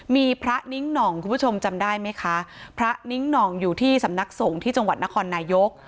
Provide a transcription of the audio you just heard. มีพระนิ้งหน่องคุณผู้ชมจำได้ไหมคะพระนิ้งหน่องอยู่ที่สำนักสงฆ์ที่จังหวัดนครนายก